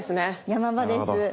山場です。